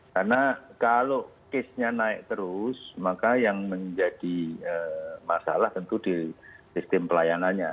karena kalau case nya naik terus maka yang menjadi masalah tentu di sistem pelayanannya